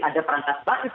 ada perangkat batis